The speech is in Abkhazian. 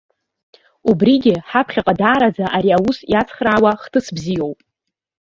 Убригьы ҳаԥхьаҟа даараӡа ари аус иацхраауа хҭыс бзиоуп.